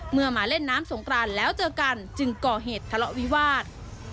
มาเล่นน้ำสงกรานแล้วเจอกันจึงก่อเหตุทะเลาะวิวาส